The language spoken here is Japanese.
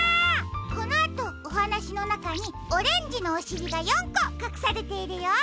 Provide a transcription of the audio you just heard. このあとおはなしのなかにオレンジのおしりが４こかくされているよ。